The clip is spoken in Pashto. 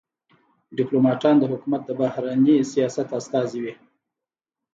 ډيپلوماټان د حکومت د بهرني سیاست استازي وي.